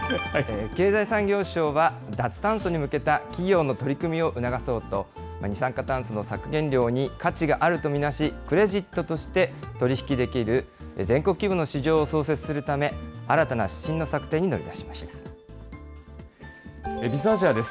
経済産業省は脱炭素に向けた企業の取り組みを促そうと、二酸化炭素の削減量に価値があると見なし、クレジットとして取り引きできる全国規模の市場を創設するため、新たな指針の策定に乗り出しましＢｉｚアジアです。